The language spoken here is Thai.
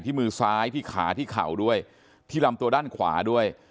มือซ้ายที่ขาที่เข่าด้วยที่ลำตัวด้านขวาด้วย